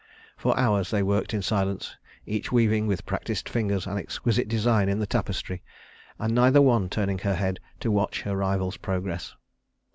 For hours they worked in silence, each weaving with practiced fingers an exquisite design in the tapestry; and neither one turning her head to watch her rival's progress.